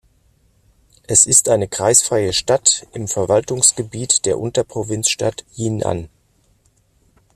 Es ist eine kreisfreie Stadt im Verwaltungsgebiet der Unterprovinzstadt Jinan.